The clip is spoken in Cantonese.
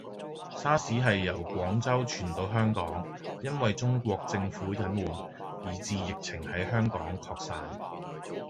沙士喺由廣州傳到香港，因為中國政府隱瞞，以致疫情喺香港擴散